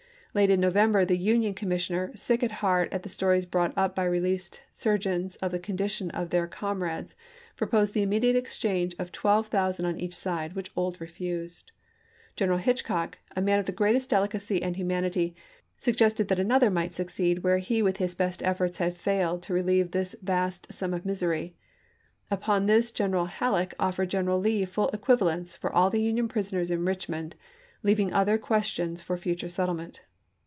Late in November the Union commis sioner, sick at heart at the stories brought up by released surgeons of the condition of their com rades, proposed the immediate exchange of twelve thousand on each side, which Ould refused. Gen eral Hitchcock, a man of the greatest delicacy and humanity, suggested that another might succeed where he with his best efforts had failed to relieve this vast sum of misery ; upon this General Halleck Deo. 7, 1863. offered General Lee full equivalents for all the Union prisoners in Eichmond, leaving other ques tions for future settlement.